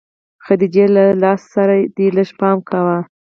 خديجې له لاس سره دې لږ پام کوه.